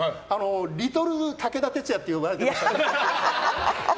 リトル武田鉄矢って呼ばれてましたから。